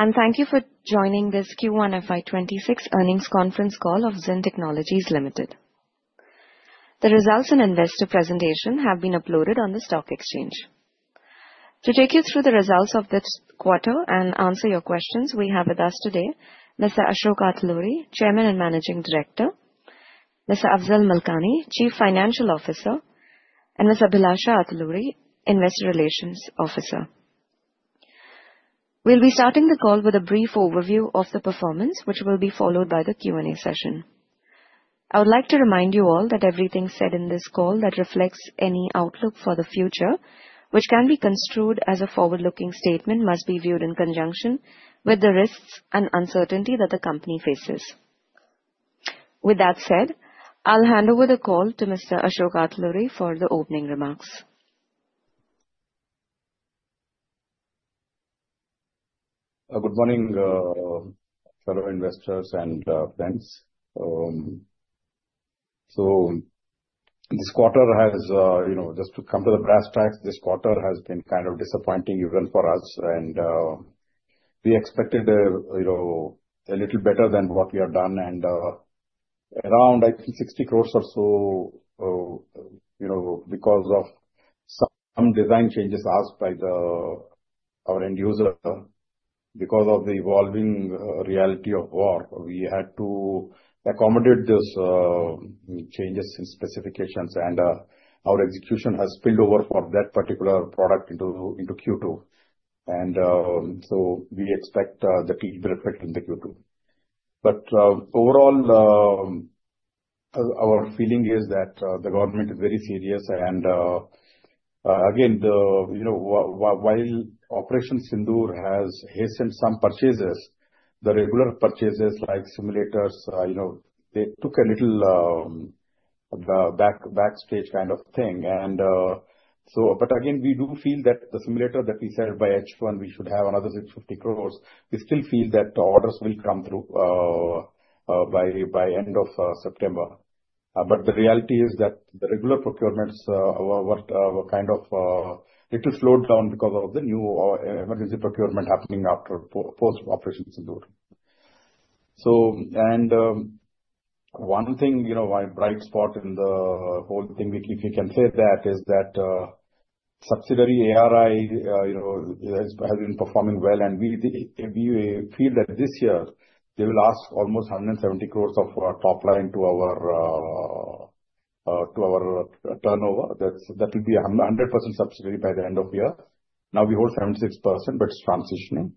Thank you for joining this Q1 FY 2026 earnings conference call of Zen Technologies Limited. The results and investor presentation have been uploaded on the stock exchange. To take you through the results of this quarter and answer your questions, we have with us today Mr. Ashok Atluri, Chairman and Managing Director, Mr. Afzal Malkani, Chief Financial Officer, and Ms. Abhilasha Atluri, Investor Relations Officer. We'll be starting the call with a brief overview of the performance, which will be followed by the Q&A session. I would like to remind you all that everything said in this call that reflects any outlook for the future, which can be construed as a forward-looking statement, must be viewed in conjunction with the risks and uncertainty that the company faces. With that said, I'll hand over the call to Mr. Ashok Atluri for the opening remarks. Good morning, fellow investors and friends. So this quarter has, you know, just to come to the brass tacks, this quarter has been kind of disappointing even for us. And we expected a little better than what we had done and around, I think, 60 crore or so, you know, because of some design changes asked by our end user. Because of the evolving reality of war, we had to accommodate those changes in specifications, and our execution has spilled over for that particular product into Q2. And so we expect that it will affect in the Q2. But overall, our feeling is that the government is very serious. And again, you know, while Operation Sindoor has hastened some purchases, the regular purchases like simulators, you know, they took a little backstage kind of thing. And so, but again, we do feel that the simulator that we set by H1, we should have another 650 crore. We still feel that the orders will come through by the end of September. But the reality is that the regular procurements were kind of a little slowed down because of the new emergency procurement happening after post Operation Sindoor. So, and one thing, you know, my bright spot in the whole thing, if you can say that, is that subsidiary ARI, you know, has been performing well. And we feel that this year, they will add almost 170 crore of top line to our turnover. That will be 100% subsidiary by the end of the year. Now we hold 76%, but it's transitioning.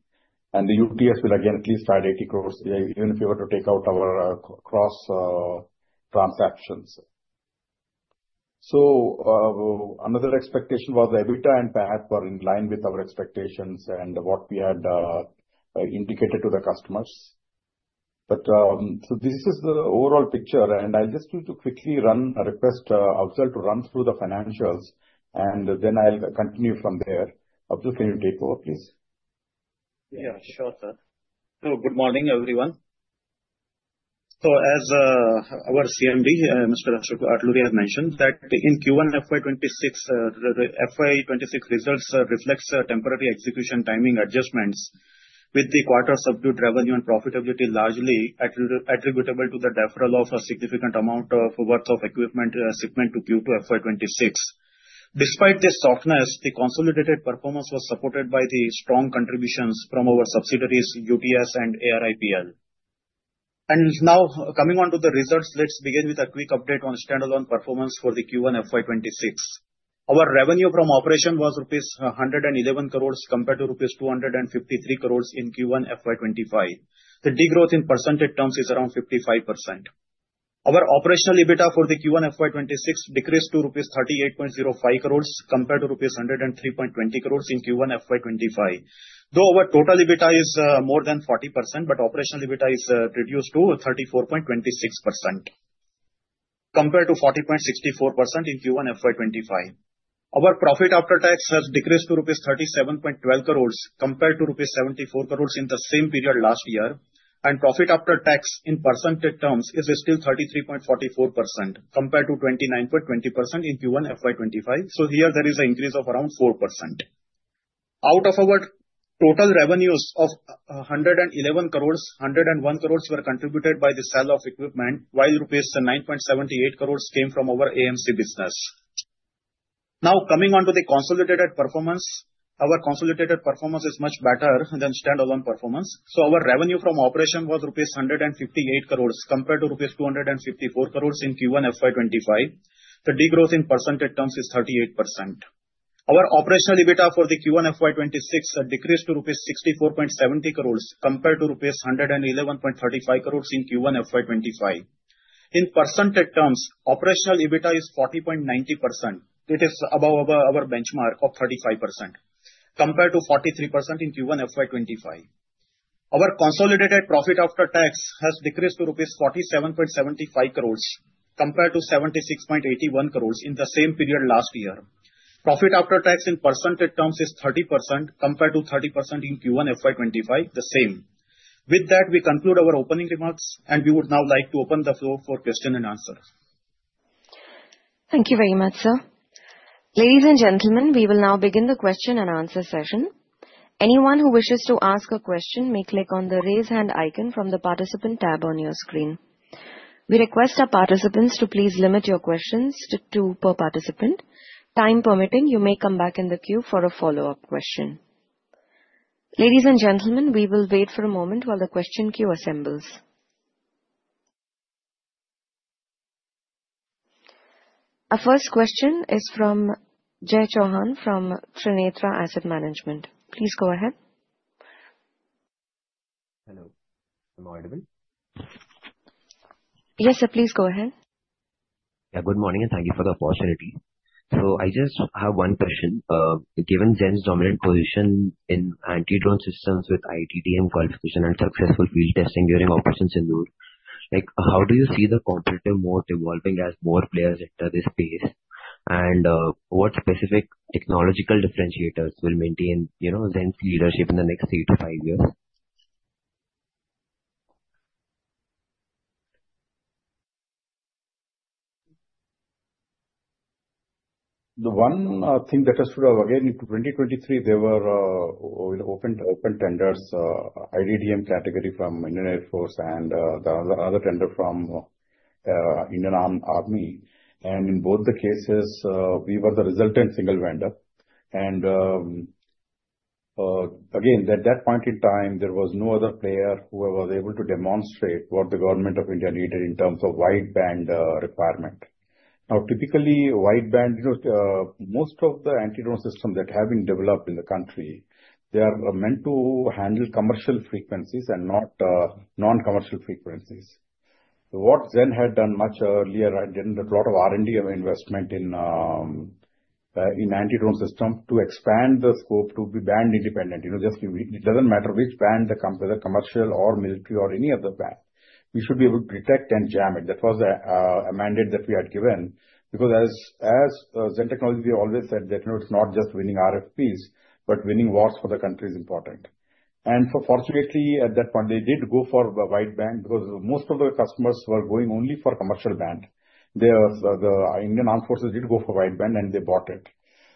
And the UTS will again at least add 80 crore, even if you were to take out our cross transactions. So another expectation was EBITDA and PAT were in line with our expectations and what we had indicated to the customers. But so this is the overall picture. And I'll just turn to Afzal to run through the financials, and then I'll continue from there. Afzal, can you take over, please? Yeah, sure, sir. So good morning, everyone. So as our CMD, Mr. Ashok Atluri, has mentioned that in Q1 FY 2026, the FY 2026 results reflects temporary execution timing adjustments with the quarter subdued revenue and profitability largely attributable to the deferral of a significant amount of worth of equipment shipment to Q2 FY 2026. Despite this softness, the consolidated performance was supported by the strong contributions from our subsidiaries, UTS and ARIPL. And now coming on to the results, let's begin with a quick update on standalone performance for the Q1 FY 2026. Our revenue from operations was rupees 111 crore compared to rupees 253 crore in Q1 FY 2025. The degrowth in percentage terms is around 55%. Our operational EBITDA for the Q1 FY 2026 decreased to INR 38.05 crore compared to INR 103.20 crore in Q1 FY 2025. Though our total EBITDA is more than 40%, but operational EBITDA is reduced to 34.26% compared to 40.64% in Q1 FY 2025. Our profit after tax has decreased to rupees 37.12 crore compared to rupees 74 crore in the same period last year, and profit after tax in percentage terms is still 33.44% compared to 29.20% in Q1 FY 2025, so here there is an increase of around 4%. Out of our total revenues of 111 crore, 101 crore were contributed by the sale of equipment, while rupees 9.78 crore came from our AMC business. Now coming on to the consolidated performance, our consolidated performance is much better than standalone performance, so our revenue from operation was rupees 158 crore compared to rupees 254 crore in Q1 FY 2025. The degrowth in percentage terms is 38%. Our operational EBITDA for the Q1 FY 2026 decreased to 64.70 crore compared to rupees 111.35 crore in Q1 FY 2025. In percentage terms, operational EBITDA is 40.90%. It is above our benchmark of 35% compared to 43% in Q1 FY 2025. Our consolidated profit after tax has decreased to 47.75 crore compared to 76.81 crore in the same period last year. Profit after tax in percentage terms is 30% compared to 30% in Q1 FY 2025, the same. With that, we conclude our opening remarks, and we would now like to open the floor for question and answer. Thank you very much, sir. Ladies and gentlemen, we will now begin the question and answer session. Anyone who wishes to ask a question may click on the raise hand icon from the participant tab on your screen. We request our participants to please limit your questions to two per participant. Time permitting, you may come back in the queue for a follow-up question. Ladies and gentlemen, we will wait for a moment while the question queue assembles. Our first question is from Jai Chauhan from Trinetra Asset Managers. Please go ahead. Hello. Am I audible? Yes, sir. Please go ahead. Yeah, good morning, and thank you for the opportunity. So I just have one question. Given Zen's dominant position in anti-drone systems with IDDM qualification and successful field testing during Operation Sindoor, like how do you see the competitive moat evolving as more players enter this space? And what specific technological differentiators will maintain, you know, Zen's leadership in the next three to five years? The one thing that has to do, again, in 2023, there were open tenders, IDDM category from Indian Air Force and the other tender from Indian Army. And in both the cases, we were the resultant single vendor. And again, at that point in time, there was no other player who was able to demonstrate what the Government of India needed in terms of wide-band requirement. Now, typically, wide-band, you know, most of the anti-drone systems that have been developed in the country, they are meant to handle commercial frequencies and not non-commercial frequencies. What Zen had done much earlier and a lot of R&D investment in anti-drone systems to expand the scope to be band independent, you know, just it doesn't matter which band, whether commercial or military or any other band, we should be able to detect and jam it. That was a mandate that we had given because as Zen Technologies always said that, you know, it's not just winning RFPs, but winning wars for the country is important. And fortunately, at that point, they did go for wide-band because most of the customers were going only for commercial band. The Indian Armed Forces did go for wide-band, and they bought it.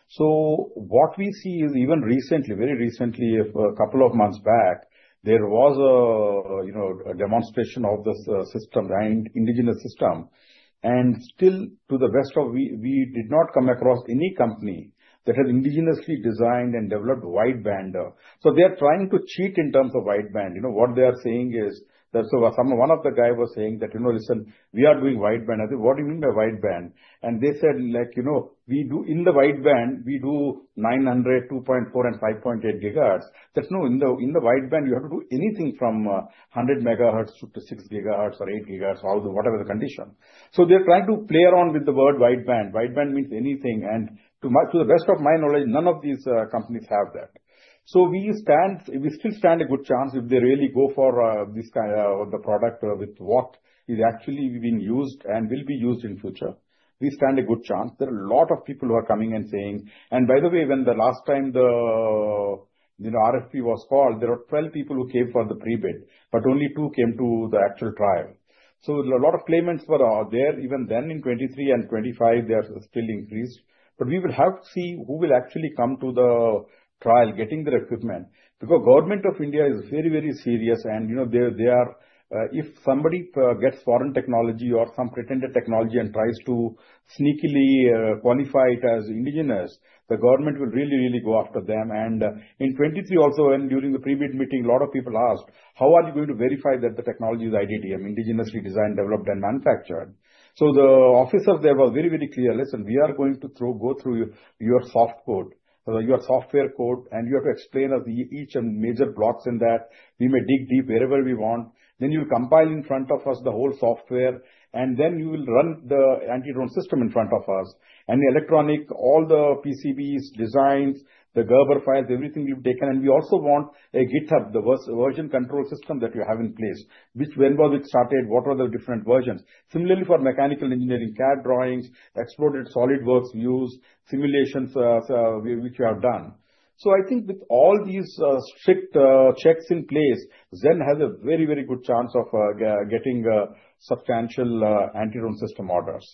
So what we see is even recently, very recently, a couple of months back, there was a, you know, demonstration of the system, the indigenous system. And still, to the best of, we did not come across any company that has indigenously designed and developed wide-band. So they are trying to cheat in terms of wide-band. You know, what they are saying is that so one of the guys was saying that, you know, listen, we are doing wide-band. I said, what do you mean by wide-band? They said, like, you know, we do in the wide-band, we do 900, 2.4, and 5.8 GHz. That's no, in the wide-band, you have to do anything from 100 MHz to 6 GHz or 8 GHz, whatever the condition, so they're trying to play around with the word wide-band. Wide-band means anything, and to the best of my knowledge, none of these companies have that, so we stand, we still stand a good chance if they really go for this kind of the product with what is actually being used and will be used in future. We stand a good chance. There are a lot of people who are coming and saying, and by the way, when the last time the, you know, RFP was called, there were 12 people who came for the pre-bid, but only two came to the actual trial. A lot of claimants were there even then in 2023 and 2025; they are still increased. But we will have to see who will actually come to the trial getting their equipment because the Government of India is very, very serious. And, you know, they are, if somebody gets foreign technology or some pretended technology and tries to sneakily qualify it as indigenous, the government will really, really go after them. And in 2023 also, and during the pre-bid meeting, a lot of people asked, how are you going to verify that the technology is IDDM, indigenously designed, developed, and manufactured? So the officer there was very, very clear. Listen, we are going to go through your source code, your software code, and you have to explain to us each major blocks in that. We may dig deep wherever we want. Then you will compile in front of us the whole software, and then you will run the anti-drone system in front of us. And electronic, all the PCBs, designs, the Gerber files, everything will be taken. And we also want a GitHub, the version control system that you have in place, which when was it started, what were the different versions? Similarly for mechanical engineering, CAD drawings, exploded SolidWorks views, simulations which you have done. So I think with all these strict checks in place, Zen has a very, very good chance of getting substantial anti-drone system orders.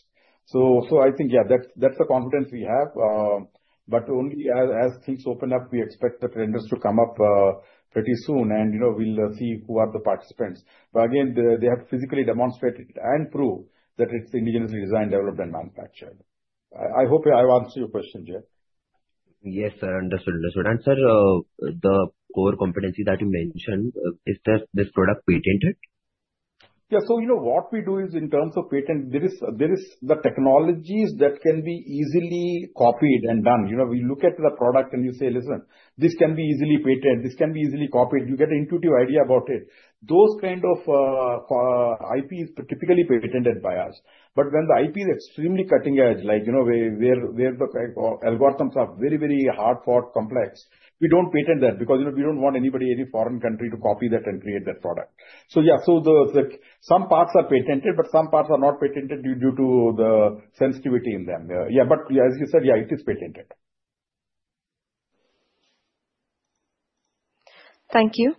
So I think, yeah, that's the confidence we have. But only as things open up, we expect the tenders to come up pretty soon. And, you know, we'll see who are the participants. But again, they have to physically demonstrate it and prove that it's indigenously designed, developed, and manufactured. I hope I answered your question, Jay. Yes, I understood, understood. And sir, the core competency that you mentioned, is this product patented? Yeah, so, you know, what we do is, in terms of patents, there is the technologies that can be easily copied and done. You know, we look at the product and you say, listen, this can be easily patented, this can be easily copied. You get an intuitive idea about it. Those kind of IPs typically patented by us. But when the IP is extremely cutting edge, like, you know, where the algorithms are very, very hard-fought, complex, we don't patent that because, you know, we don't want anybody, any foreign country to copy that and create that product. So yeah, so some parts are patented, but some parts are not patented due to the sensitivity in them. Yeah, but as you said, yeah, it is patented. Thank you.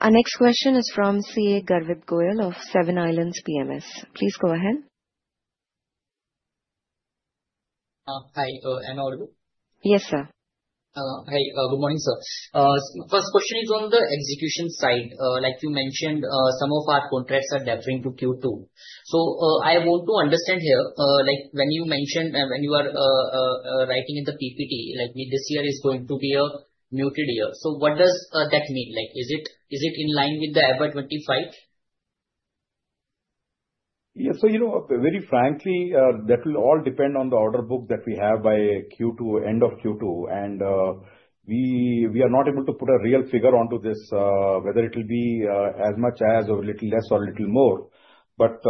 Our next question is from CA Garvit Goyal of Seven Islands PMS. Please go ahead. Hi, and all of you. Yes, sir. Hi, good morning, sir. First question is on the execution side. Like you mentioned, some of our contracts are deferring to Q2. So I want to understand here, like when you mentioned when you are writing in the PPT, like this year is going to be a muted year. So what does that mean? Like, is it in line with the FY 2025? Yeah, so, you know, very frankly, that will all depend on the order book that we have by Q2, end of Q2. And we are not able to put a real figure onto this, whether it will be as much as or a little less or a little more. But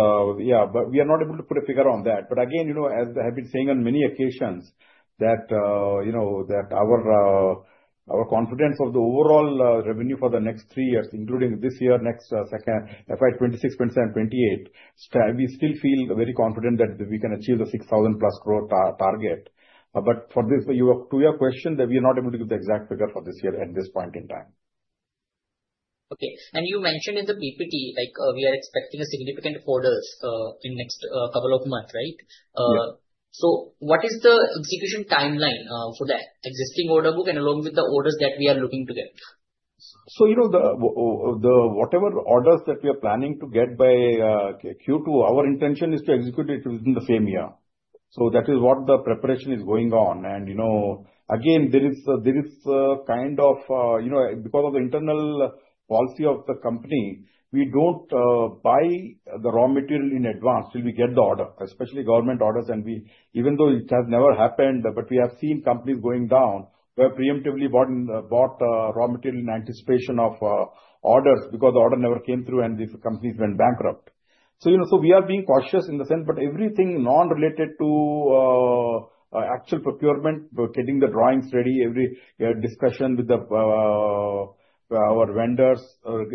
yeah, but we are not able to put a figure on that. But again, you know, as I have been saying on many occasions that, you know, that our confidence of the overall revenue for the next three years, including this year, next FY 2026, 2027, 2028, we still feel very confident that we can achieve the 6,000+ growth target. But for this to your question, that we are not able to give the exact figure for this year at this point in time. Okay. And you mentioned in the PPT, like we are expecting significant orders in the next couple of months, right? So what is the execution timeline for that existing order book and along with the orders that we are looking to get? You know, the whatever orders that we are planning to get by Q2, our intention is to execute it within the same year. So that is what the preparation is going on. You know, again, there is a kind of, you know, because of the internal policy of the company, we don't buy the raw material in advance till we get the order, especially government orders. Even though it has never happened, we have seen companies going down where preemptively bought raw material in anticipation of orders because the order never came through and the companies went bankrupt. You know, so we are being cautious in the sense, but everything non-related to actual procurement, getting the drawings ready, every discussion with our vendors,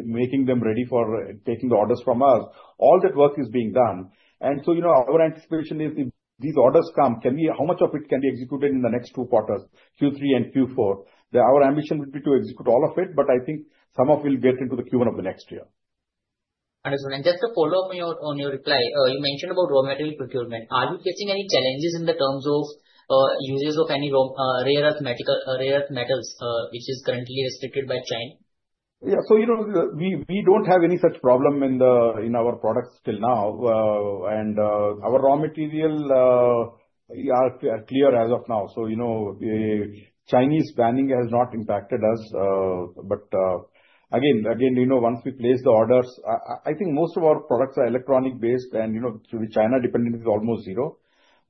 making them ready for taking the orders from us, all that work is being done. And so, you know, our anticipation is if these orders come, how much of it can be executed in the next two quarters, Q3 and Q4? Our ambition would be to execute all of it, but I think some of it will get into the Q1 of the next year. Understood. And just to follow up on your reply, you mentioned about raw material procurement. Are you facing any challenges in terms of use of any rare earth metals, which is currently restricted by China? Yeah, so, you know, we don't have any such problem in our products till now. And our raw material are clear as of now. So, you know, Chinese banning has not impacted us. But again, you know, once we place the orders, I think most of our products are electronic-based and, you know, China dependence is almost zero.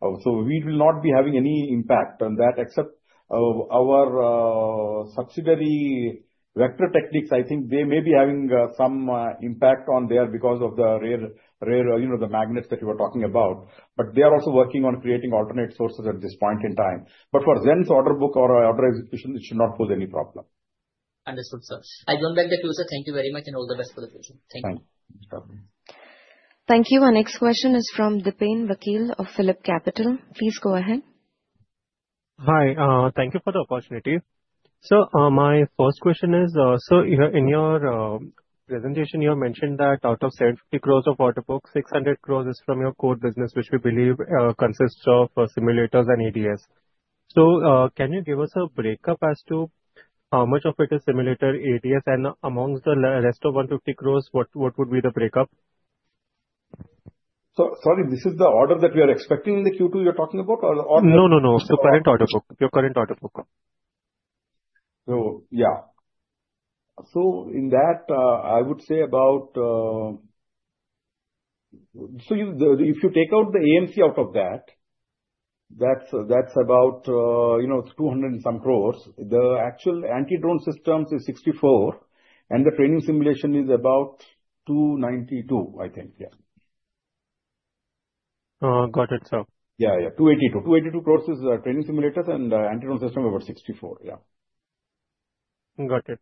So we will not be having any impact on that except our subsidiary Vector Technics. I think they may be having some impact on there because of the rare, you know, the magnets that you were talking about. But they are also working on creating alternate sources at this point in time. But for Zen's order book or order execution, it should not pose any problem. Understood, sir. I'll turn back the floor, sir. Thank you very much and all the best for the question. Thank you. Thank you. Thank you. Our next question is from Dipen Vakil of PhillipCapital. Please go ahead. Hi, thank you for the opportunity. Sir, my first question is, sir, in your presentation, you have mentioned that out of 750 crore of order books, 600 crore is from your core business, which we believe consists of simulators and ADS. So can you give us a breakup as to how much of it is simulator, ADS, and amongst the rest of 150 crore, what would be the breakup? Sorry, this is the order that we are expecting in the Q2 you're talking about or? No, no, no. The current order book, your current order book. So yeah. So in that, I would say about, so if you take out the AMC out of that, that's about, you know, 200 and some crore. The actual anti-drone systems is 64 crore. And the training simulation is about 292 crore, I think. Yeah. Got it, sir. Yeah, yeah. 282. 282 crore is training simulators and anti-drone systems about 64. Yeah. Got it.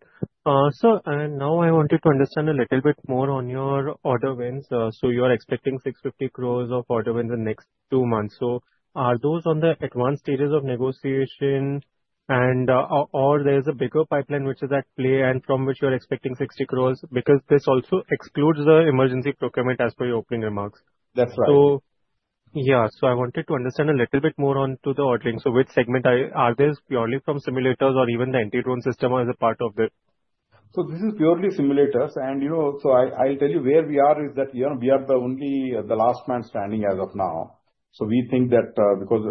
Sir, and now I wanted to understand a little bit more on your order wins. So you are expecting 650 crore of order wins in the next two months. So are those on the advanced stages of negotiation or there's a bigger pipeline which is at play and from which you're expecting 60 crore? Because this also excludes the emergency procurement as per your opening remarks. That's right. So yeah, so I wanted to understand a little bit more onto the ordering. So which segment are these purely from simulators or even the anti-drone system as a part of it? So this is purely simulators. And, you know, so I'll tell you where we are is that, you know, we are the only, the last man standing as of now. So we think that because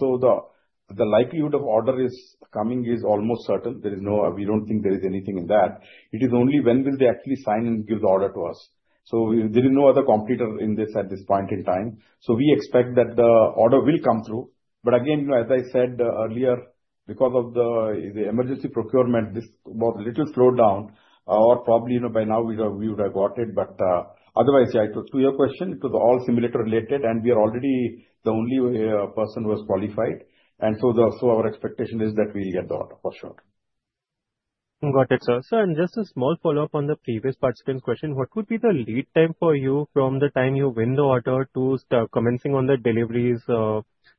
so the likelihood of order is coming is almost certain. There is no, we don't think there is anything in that. It is only when will they actually sign and give the order to us. So there is no other competitor in this at this point in time. So we expect that the order will come through. But again, you know, as I said earlier, because of the emergency procurement, this was a little slowed down or probably, you know, by now we would have got it. But otherwise, yeah, to your question, it was all simulator related and we are already the only person who has qualified. And so our expectation is that we'll get the order for sure. Got it, sir. Sir, and just a small follow-up on the previous participant's question. What would be the lead time for you from the time you win the order to commencing on the deliveries?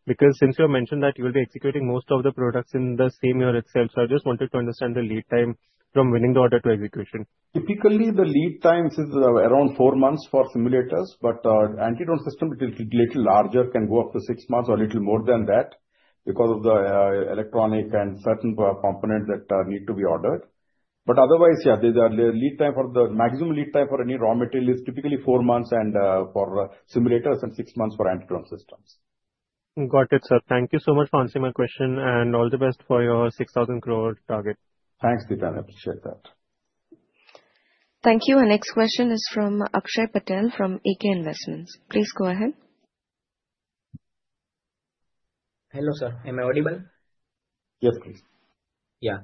Because since you mentioned that you will be executing most of the products in the same year itself, so I just wanted to understand the lead time from winning the order to execution. Typically, the lead time is around four months for simulators, but anti-drone systems, a little larger, can go up to six months or a little more than that because of the electronics and certain components that need to be ordered. But otherwise, yeah, the maximum lead time for any raw material is typically four months and for simulators and six months for anti-drone systems. Got it, sir. Thank you so much for answering my question and all the best for your 6,000 crore target. Thanks, Dipen. I appreciate that. Thank you. Our next question is from Akshay Patel from AK Investments. Please go ahead. Hello, sir. Am I audible? Yes, please. Yeah.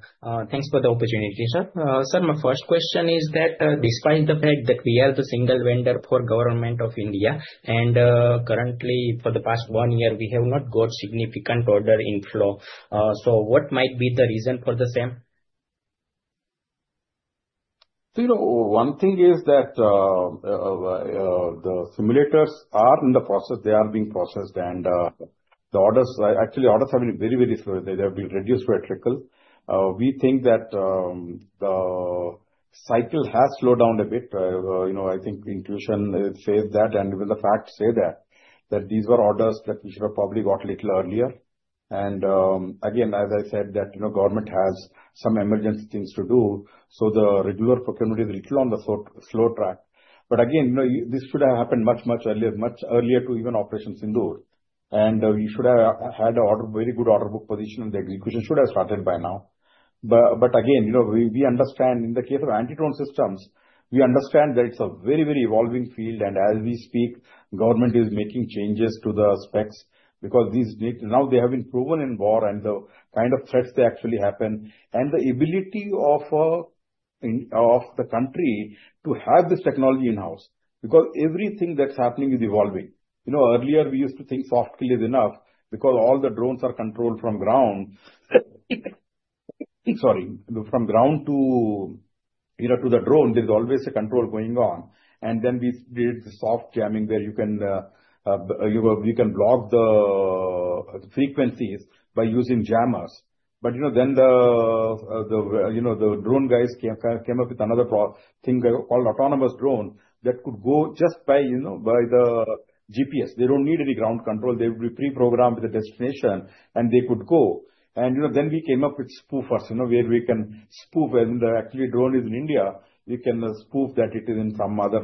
Thanks for the opportunity, sir. Sir, my first question is that despite the fact that we are the single vendor for Government of India and currently for the past one year, we have not got significant order inflow. So what might be the reason for the same? So, you know, one thing is that the simulators are in the process. They are being processed, and the orders, actually orders, have been very, very slow. They have been reduced quadruple. We think that the cycle has slowed down a bit. You know, I think intuition says that, and even the facts say that these were orders that we should have probably got a little earlier. And again, as I said, that, you know, government has some emergency things to do. So the regular procurement is a little on the slow track. But again, you know, this should have happened much, much earlier, much earlier to even operations in do. And we should have had a very good order book position, and the execution should have started by now. But again, you know, we understand in the case of anti-drone systems. We understand that it's a very, very evolving field. And as we speak, government is making changes to the specs because these now they have been proven in war and the kind of threats they actually happen and the ability of the country to have this technology in-house because everything that's happening is evolving. You know, earlier we used to think soft kill is enough because all the drones are controlled from ground. Sorry, from ground to, you know, to the drone, there's always a control going on. And then we did the soft jamming where you can, you know, we can block the frequencies by using jammers. But, you know, then the, you know, the drone guys came up with another thing called autonomous drone that could go just by, you know, by the GPS. They don't need any ground control. They would be pre-programmed with a destination and they could go, and, you know, then we came up with spoofers, you know, where we can spoof when the actual drone is in India, we can spoof that it is in some other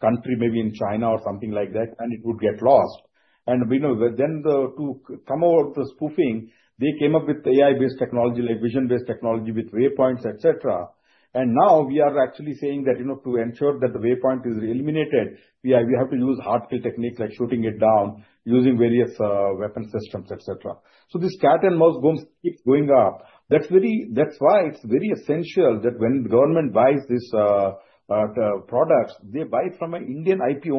country, maybe in China or something like that, and it would get lost, and, you know, then to come out of the spoofing, they came up with AI-based technology like vision-based technology with waypoints, etc., and now we are actually saying that, you know, to ensure that the waypoint is eliminated, we have to use hard-kill techniques like shooting it down, using various weapon systems, etc., so the cat and mouse game keeps going up. That's why it's very essential that when the government buys these products, they buy from an Indian IP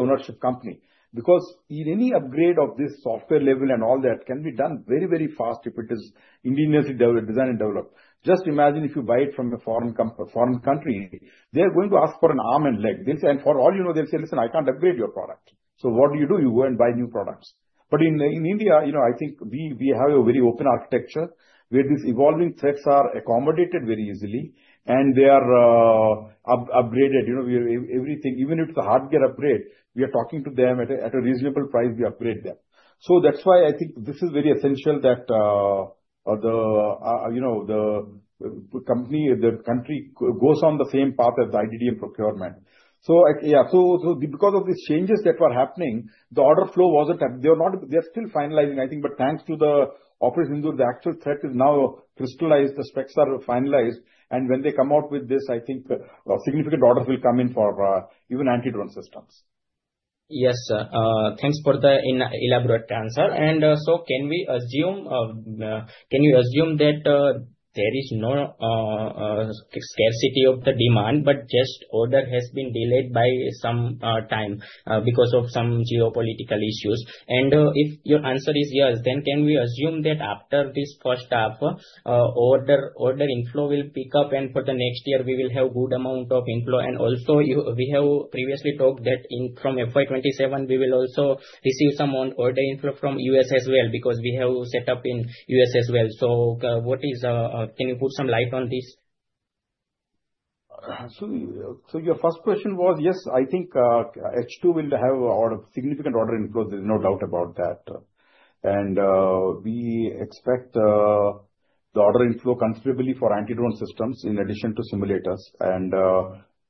ownership company because any upgrade of this software level and all that can be done very, very fast if it is indigenously designed and developed. Just imagine if you buy it from a foreign country, they're going to ask for an arm and a leg, and for all you know, they'll say, listen, I can't upgrade your product, so what do you do? You go and buy new products, but in India, you know, I think we have a very open architecture where these evolving threats are accommodated very easily and they are upgraded, you know, everything, even if it's a hardware upgrade, we are talking to them at a reasonable price, we upgrade them. So that's why I think this is very essential that the, you know, the company, the country goes on the same path as the IDDM and procurement. So yeah, so because of these changes that were happening, the order flow wasn't happening. They're still finalizing, I think, but thanks to the operations in Ukraine, the actual threat is now crystallized, the specs are finalized, and when they come out with this, I think significant orders will come in for even anti-drone systems. Yes, sir. Thanks for the elaborate answer. And so can we assume, can you assume that there is no scarcity of the demand, but just order has been delayed by some time because of some geopolitical issues? And if your answer is yes, then can we assume that after this first half, order inflow will pick up and for the next year, we will have a good amount of inflow? And also, we have previously talked that from FY 2027, we will also receive some order inflow from the U.S. as well because we have set up in the U.S. as well. So what is, can you throw some light on this? So your first question was, yes, I think H2 will have a significant order inflow. There's no doubt about that. And we expect the order inflow considerably for anti-drone systems in addition to simulators. And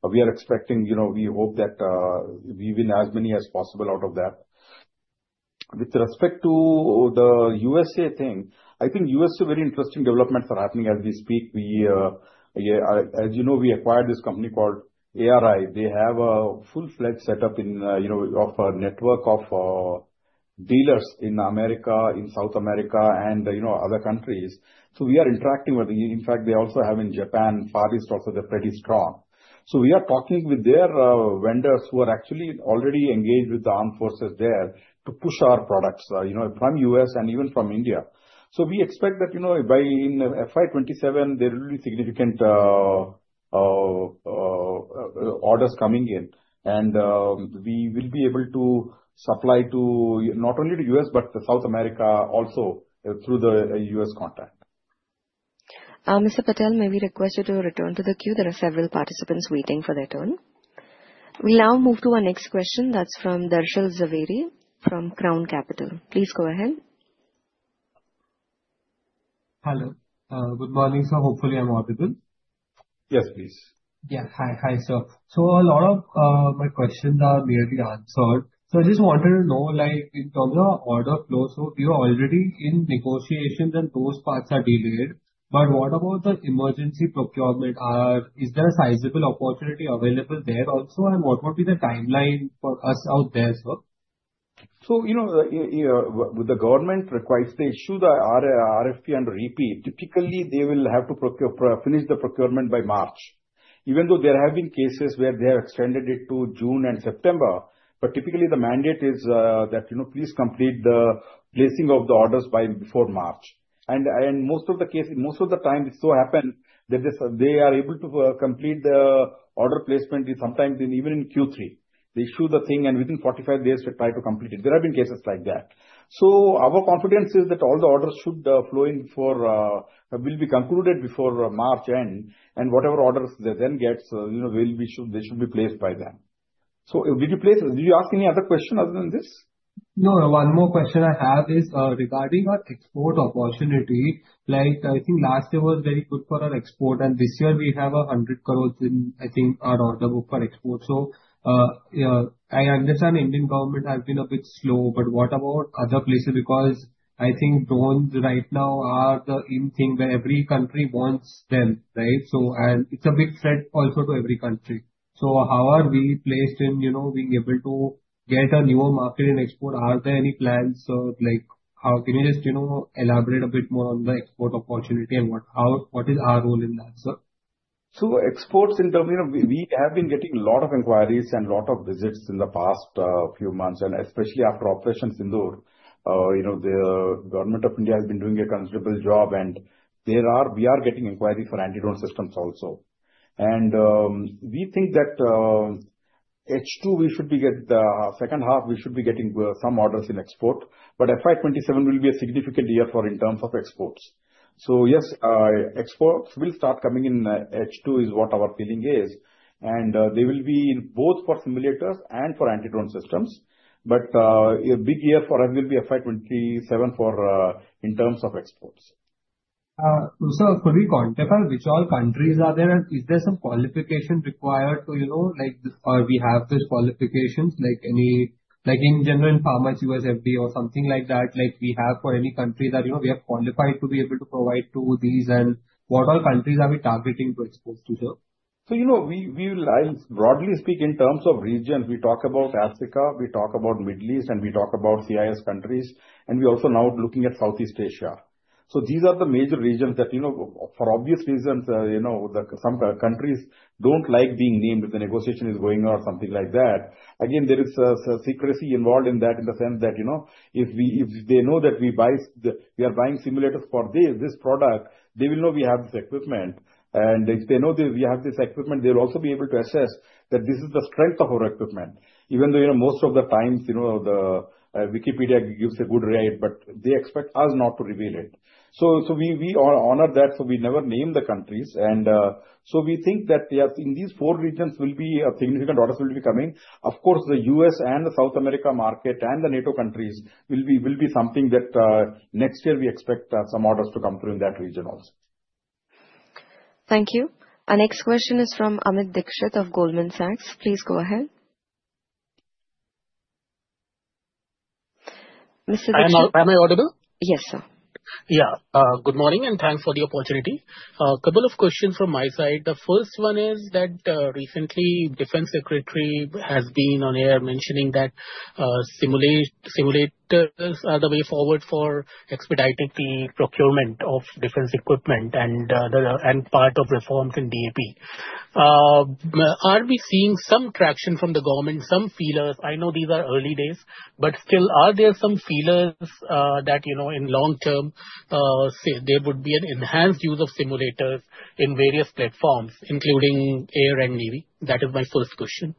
we are expecting, you know, we hope that we win as many as possible out of that. With respect to the USA thing, I think USA, very interesting developments are happening as we speak. As you know, we acquired this company called ARI. They have a full-fledged setup in, you know, of a network of dealers in America, in South America, and, you know, other countries. So we are interacting with them. In fact, they also have in Japan, Far East also they're pretty strong. So we are talking with their vendors who are actually already engaged with the armed forces there to push our products, you know, from the US and even from India. So we expect that, you know, by FY 2027, there will be significant orders coming in. And we will be able to supply to not only the U.S., but South America also through the U.S. contract. Mr. Patel, may we request you to return to the queue? There are several participants waiting for their turn. We'll now move to our next question. That's from Darshil Jhaveri from Crown Capital. Please go ahead. Hello. Good morning, sir. Hopefully, I'm audible. Yes, please. Yeah. Hi, sir. So a lot of my questions are nearly answered. So I just wanted to know, like in terms of order flow, so we are already in negotiations and those parts are delayed. But what about the emergency procurement? Is there a sizable opportunity available there also? And what would be the timeline for us out there, sir? So, you know, with the government requirements, they issue the RFP and repeat. Typically, they will have to finish the procurement by March. Even though there have been cases where they have extended it to June and September, but typically the mandate is that, you know, please complete the placing of the orders by before March. And most of the cases, most of the time, it so happens that they are able to complete the order placement sometimes even in Q3. They issue the thing and within 45 days try to complete it. There have been cases like that. So our confidence is that all the orders should flow in for will be concluded before March end. And whatever orders they then get, you know, they should be placed by them. So did you ask any other question other than this? No, one more question I have is regarding our export opportunity. Like I think last year was very good for our export. And this year we have 100 crore in, I think, our order book for export. So I understand Indian government has been a bit slow, but what about other places? Because I think drones right now are the in thing where every country wants them, right? So it's a big threat also to every country. So how are we placed in, you know, being able to get a newer market in export? Are there any plans, sir? Like how can you just, you know, elaborate a bit more on the export opportunity and what is our role in that, sir? So exports in terms of, you know, we have been getting a lot of inquiries and a lot of visits in the past few months, and especially after Operation Sindoor, you know, the government of India has been doing a considerable job. And we are getting inquiries for anti-drone systems also. And we think that H2, we should be getting the second half, we should be getting some orders in export. But FY 2027 will be a significant year for in terms of exports. So yes, exports will start coming in H2 is what our feeling is. And they will be both for simulators and for anti-drone systems. But a big year for us will be FY 2027 for in terms of exports. So, for the content file, which all countries are there, is there some qualification required to, you know, like we have those qualifications like any, like in general in pharmacy, U.S. FDA or something like that, like we have for any country that, you know, we have qualified to be able to provide to these and what all countries are we targeting to expose to, sir? So, you know, we broadly speak in terms of region. We talk about Africa, we talk about the Middle East, and we talk about CIS countries. And we're also now looking at Southeast Asia. So these are the major regions that, you know, for obvious reasons, you know, some countries don't like being named if the negotiation is going on or something like that. Again, there is secrecy involved in that in the sense that, you know, if they know that we are buying simulators for this product, they will know we have this equipment. And if they know that we have this equipment, they'll also be able to assess that this is the strength of our equipment. Even though, you know, most of the times, you know, Wikipedia gives a good rate, but they expect us not to reveal it. So we honor that. We never name the countries. We think that in these four regions, significant orders will be coming. Of course, the U.S. and the South America market and the NATO countries will be something that next year we expect some orders to come through in that region also. Thank you. Our next question is from Amit Dixit of Goldman Sachs. Please go ahead. Mr. Dixit. Am I audible? Yes, sir. Yeah. Good morning and thanks for the opportunity. A couple of questions from my side. The first one is that recently Defense Secretary has been on air mentioning that simulators are the way forward for expedited procurement of defense equipment and part of reforms in DAP. Are we seeing some traction from the government, some feelers? I know these are early days, but still are there some feelers that, you know, in long term, there would be an enhanced use of simulators in various platforms, including air and navy? That is my first question.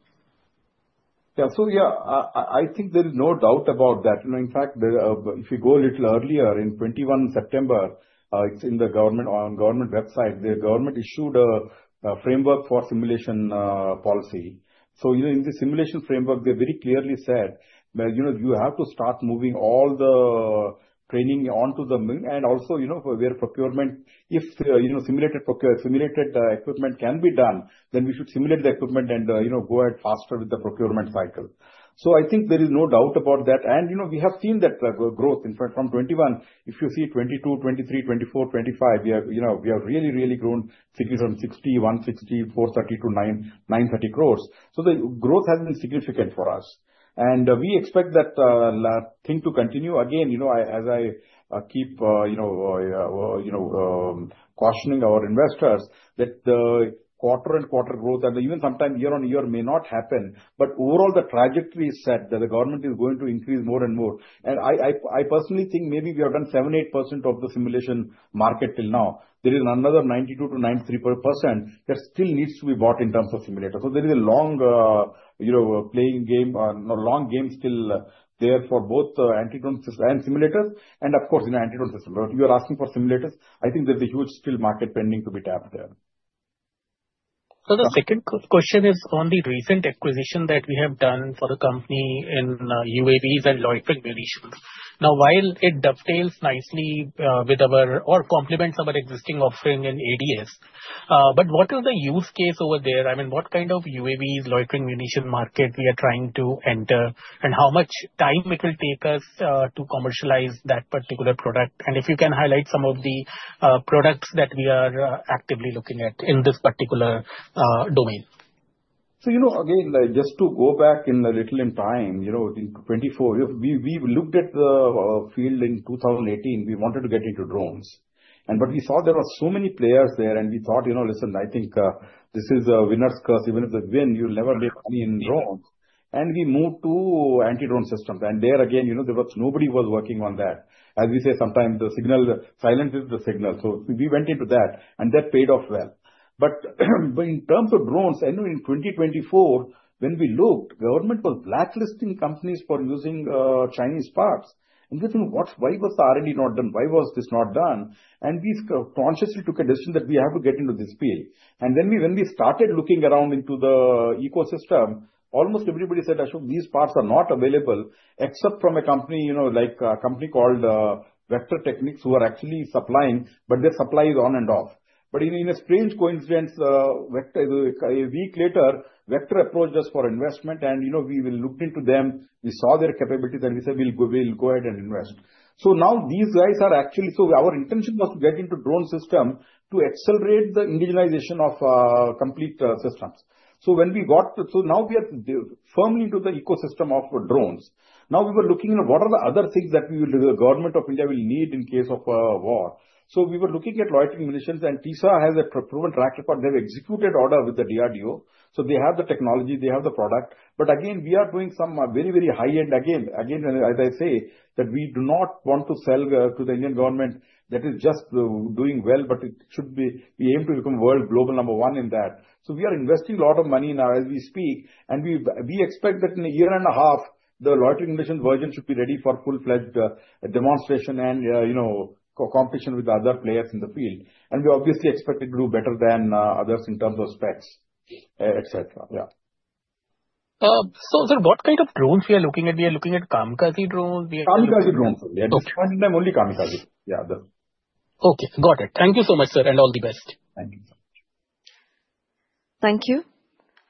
Yeah. So yeah, I think there is no doubt about that. You know, in fact, if you go a little earlier in September 2021, it's in the government on government website, the government issued a framework for simulation policy. So, you know, in the simulation framework, they very clearly said, you know, you have to start moving all the training onto simulators and also, you know, where procurement, if, you know, simulated equipment can be done, then we should simulate the equipment and, you know, go ahead faster with the procurement cycle. So I think there is no doubt about that. And, you know, we have seen that growth in that front from 2021. If you see 2022, 2023, 2024, 2025, we have, you know, we have really, really grown from 60, 160, 430 to 930 crore. So the growth has been significant for us. We expect that thing to continue. Again, you know, as I keep you know cautioning our investors that the quarter and quarter growth and even sometimes year on year may not happen, but overall the trajectory is set that the government is going to increase more and more. I personally think maybe we have done 7%-8% of the simulation market till now. There is another 92%-93% that still needs to be bought in terms of simulators. So there is a long, you know, playing game, a long game still there for both anti-drone systems and simulators. Of course, you know, anti-drone system. But you are asking for simulators. I think there's a huge still market pending to be tapped there. The second question is on the recent acquisition that we have done for the company in UAVs and loitering munitions. Now, while it dovetails nicely with our or complements our existing offering in ADS, but what is the use case over there? I mean, what kind of UAVs, loitering munition market we are trying to enter and how much time it will take us to commercialize that particular product? And if you can highlight some of the products that we are actively looking at in this particular domain. So, you know, again, just to go back a little in time, you know, in 2014, we looked at the field in 2018. We wanted to get into drones. But we saw there were so many players there and we thought, you know, listen, I think this is a winner's curse. Even if they win, you'll never make money in drones. And we moved to anti-drone systems. And there again, you know, there was nobody working on that. As we say, sometimes the signal silences the signal. So we went into that and that paid off well. But in terms of drones, I know in 2024, when we looked, government was blacklisting companies for using Chinese parts. And we think, why was the R&D not done? Why was this not done? And we consciously took a decision that we have to get into this field. And then when we started looking around into the ecosystem, almost everybody said, "Ashok, these parts are not available except from a company, you know, like a company called Vector Technics who are actually supplying, but their supply is on and off." But in a strange coincidence, a week later, Vector Technics approached us for investment and, you know, we looked into them. We saw their capabilities and we said, "We'll go ahead and invest." So now these guys are actually, so our intention was to get into drone system to accelerate the indigenization of complete systems. So when we got, so now we are firmly into the ecosystem of drones. Now we were looking at what are the other things that the government of India will need in case of war. So we were looking at loitering munitions and TISA has a proven track record. They've executed order with the DRDO, so they have the technology, they have the product. But again, we are doing some very, very high end. Again, again, as I say, that we do not want to sell to the Indian government that is just doing well, but it should be, we aim to become world global number one in that, so we are investing a lot of money now as we speak, and we expect that in a year and a half, the loitering munitions version should be ready for full-fledged demonstration and, you know, competition with other players in the field, and we obviously expect it to do better than others in terms of specs, et cetera. Yeah. Sir, what kind of drones we are looking at? We are looking at kamikaze drones. Kamikaze drones. Yeah. This one is my only kamikaze. Yeah. Okay. Got it. Thank you so much, sir. And all the best. Thank you. Thank you.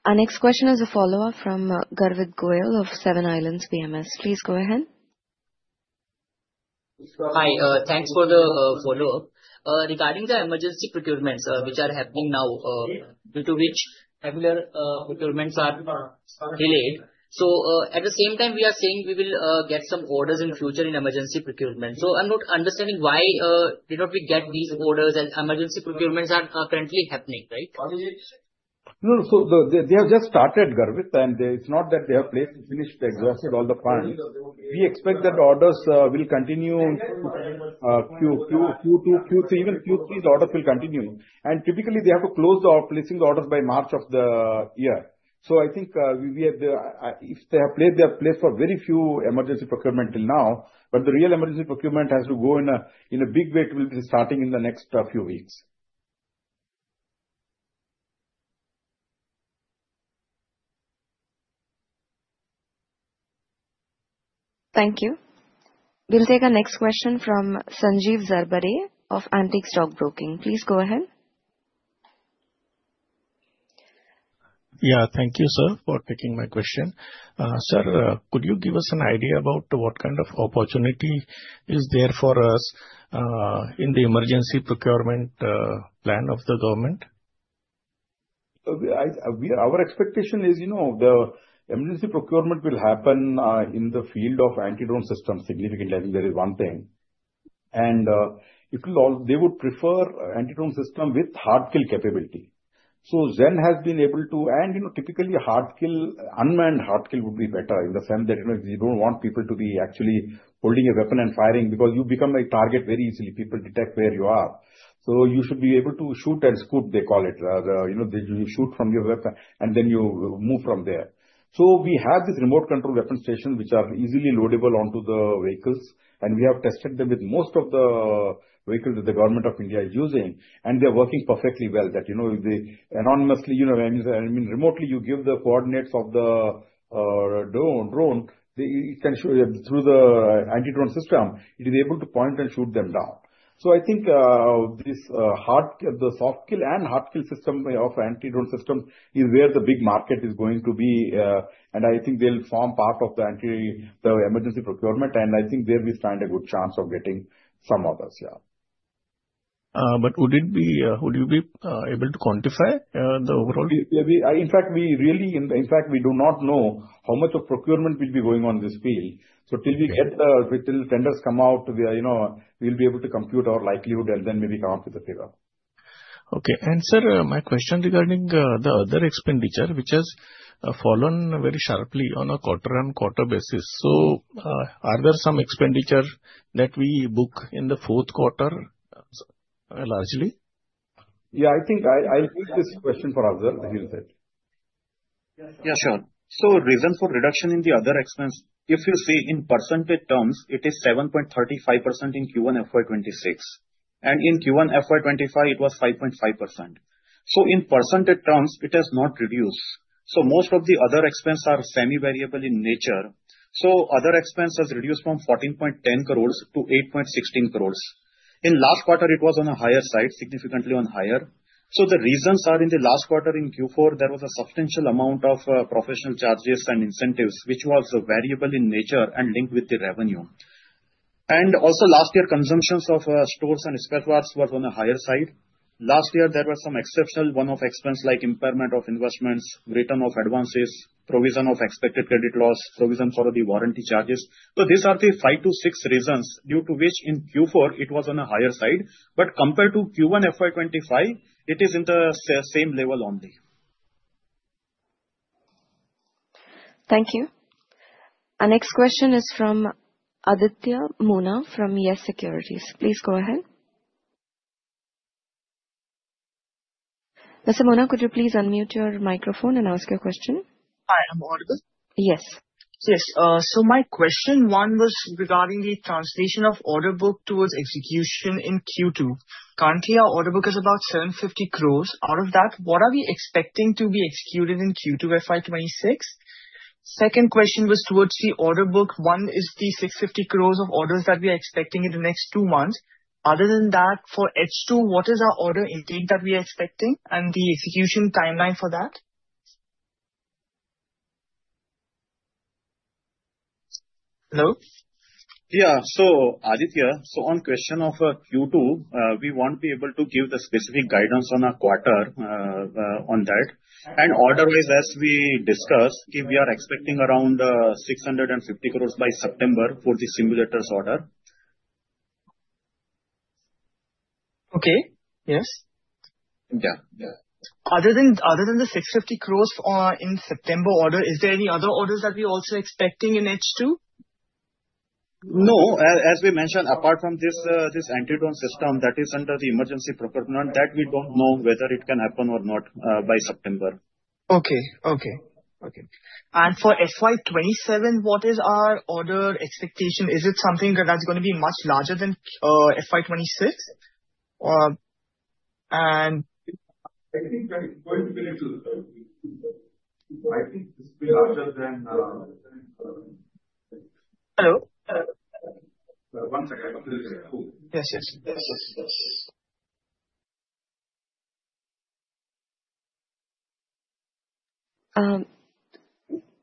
Our next question is a follow-up from Garvit Goyal of Seven Islands PMS. Please go ahead. Hi. Thanks for the follow-up. Regarding the emergency procurements, which are happening now, due to which regular procurements are delayed. So at the same time, we are saying we will get some orders in the future in emergency procurement. So I'm not understanding why did not we get these orders as emergency procurements are currently happening, right? No. So they have just started, Garvit. And it's not that they have placed, finished, exhausted all the funds. We expect that orders will continue to Q2, Q3, even Q3, the orders will continue. And typically, they have to close the placing orders by March of the year. So I think if they have placed, they have placed for very few emergency procurement till now. But the real emergency procurement has to go in a big way to starting in the next few weeks. Thank you. We'll take a next question from Sanjeev Zarbade of Antique Stock Broking. Please go ahead. Yeah. Thank you, sir, for taking my question. Sir, could you give us an idea about what kind of opportunity is there for us in the emergency procurement plan of the government? Our expectation is, you know, the emergency procurement will happen in the field of anti-drone systems significantly. I think there is one thing, and they would prefer anti-drone system with hard kill capability. So Zen has been able to, and you know, typically hard kill, unmanned hard kill would be better in the sense that, you know, you don't want people to be actually holding a weapon and firing because you become a target very easily. People detect where you are. So you should be able to shoot and scoot, they call it. You know, you shoot from your weapon and then you move from there. So we have this remote control weapon station, which are easily loadable onto the vehicles, and we have tested them with most of the vehicles that the Government of India is using. And they are working perfectly well, that, you know, autonomously, you know, I mean, remotely you give the coordinates of the drone. It can so through the anti-drone system; it is able to point and shoot them down. So I think this hard kill, the soft kill and hard kill system of anti-drone systems is where the big market is going to be. And I think they'll form part of the emergency procurement. And I think there we stand a good chance of getting some orders. Yeah. But would it be, would you be able to quantify the overall? In fact, we do not know how much of procurement will be going on this field. So till the tenders come out, you know, we'll be able to compute our likelihood and then maybe come up with the figure. Okay. And sir, my question regarding the other expenditure, which has fallen very sharply on a quarter-on-quarter basis. So are there some expenditure that we book in the fourth quarter largely? Yeah. I think I'll put this question for Ashok. He'll say. Yes, sir. So reason for reduction in the other expense, if you see in percentage terms, it is 7.35% in Q1 FY 2026. And in Q1 FY 2025, it was 5.5%. So in percentage terms, it has not reduced. So most of the other expenses are semi-variable in nature. So other expenses reduced from 14.10 crore to 8.16 crore. In last quarter, it was on a higher side, significantly on higher. So the reasons are in the last quarter in Q4, there was a substantial amount of professional charges and incentives, which was variable in nature and linked with the revenue. And also last year, consumptions of stores and spare parts were on a higher side. Last year, there were some exceptional one-off expenses like impairment of investments, return of advances, provision for expected credit loss, provision for the warranty charges. So these are the five to six reasons due to which in Q4 it was on a higher side. But compared to Q1 FY 2025, it is in the same level only. Thank you. Our next question is from Aditya Moona from YES Securities. Please go ahead. Mr. Moona, could you please unmute your microphone and ask your question? Hi. I'm audible? Yes. Yes. So my question one was regarding the translation of order book towards execution in Q2. Currently, our order book is about 750 crore. Out of that, what are we expecting to be executed in Q2 FY 2026? Second question was towards the order book. One is the 650 crore of orders that we are expecting in the next two months. Other than that, for H2, what is our order intake that we are expecting and the execution timeline for that? Hello? Yeah. So Aditya, so on question of Q2, we won't be able to give the specific guidance on a quarter on that. And order-wise, as we discussed, we are expecting around 650 crore by September for the simulators order. Okay. Yes. Yeah. Yeah. Other than the 650 crore in September order, is there any other orders that we're also expecting in H2? No. As we mentioned, apart from this anti-drone system that is under the emergency procurement, that we don't know whether it can happen or not by September. And for FY 2027, what is our order expectation? Is it something that's going to be much larger than FY 2026? And. I think. Hello? One second. Yes. Yes. Yes. Yes.